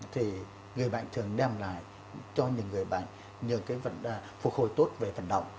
thì người bệnh thường đem lại cho những người bệnh nhờ cái vận phục hồi tốt về vận động